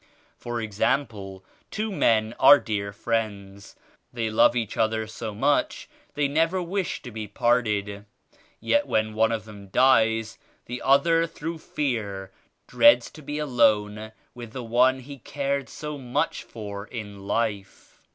For example, two men are dear friends. They love each other so much they never wish to be parted. Yet when one of them dies, the other through fear dreads to be alone with the one he cared so much for in life.